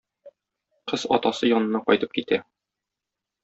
Кыз атасы янына кайтып китә.